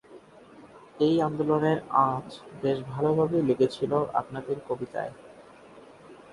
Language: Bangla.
এই আন্দোলনের আঁচ বেশ ভালোভাবেই লেগেছিল আপনাদের কবিতায়।